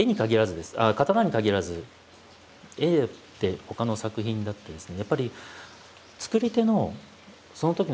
刀に限らず絵だってほかの作品だってですね